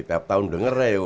tiap tahun denger ya